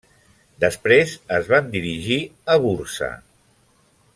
Després es van dirigir a Bursa.